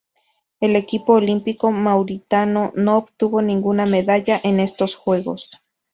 El equipo olímpico mauritano no obtuvo ninguna medalla en estos Juegos.